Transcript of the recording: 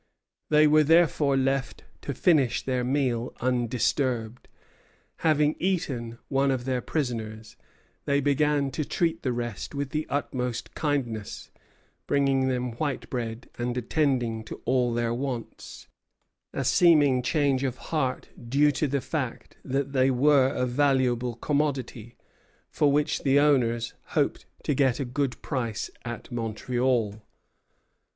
They were therefore left to finish their meal undisturbed. Having eaten one of their prisoners, they began to treat the rest with the utmost kindness, bringing them white bread, and attending to all their wants, a seeming change of heart due to the fact that they were a valuable commodity, for which the owners hoped to get a good price at Montreal.